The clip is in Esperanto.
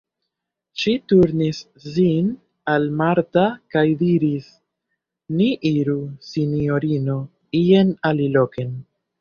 Ŝi turnis sin al Marta kaj diris: -- Ni iru, sinjorino, ien aliloken.